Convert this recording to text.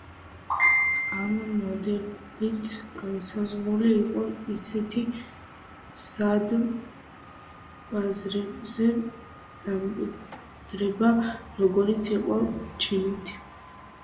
ამ მოდელით განზრახული იყო ისეთ მზარდ ბაზრებზე დამკვიდრება, როგორიც იყო ჩინეთი.